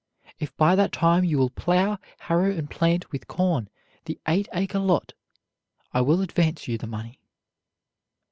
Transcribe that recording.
If, by that time, you will plow, harrow, and plant with corn the eight acre lot, I will advance you the money."